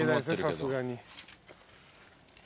さすがに。